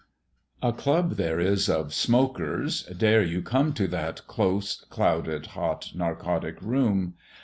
A Club there is of Smokers Dare you come To that close, clouded, hot, narcotic room?